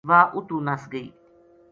واہ اُتو نَس گئی